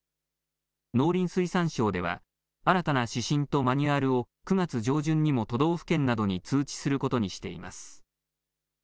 農林水産省では新たな指針とマニュアルを９月上旬にも都道府県などに通知することにしています。